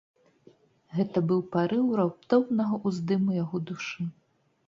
Гэта быў парыў раптоўнага ўздыму яго душы.